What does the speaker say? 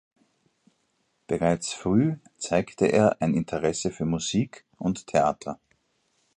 Bereits früh zeigte er ein Interesse für Musik und Theater.